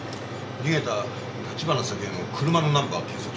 逃げた橘沙希江の車のナンバーを検索中。